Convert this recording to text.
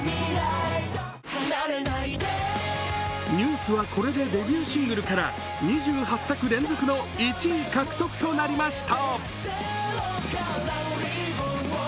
ＮＥＷＳは、これでデビューシングルから２８作連続の１位獲得となりました。